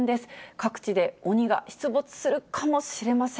各地で鬼が出没するかもしれません。